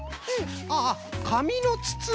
ああかみのつつな。